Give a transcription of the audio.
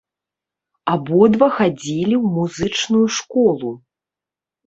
Абодва хадзілі ў музычную школу.